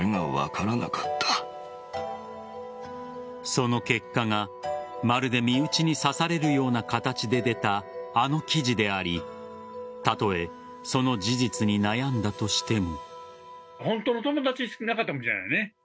その結果が、まるで身内に刺されるような形で出たあの記事でありたとえその事実に悩んだとしても。